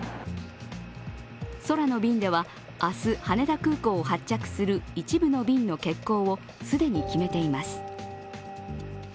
空の便では明日、羽田空港を発着する一部の便の欠航を既に決めています。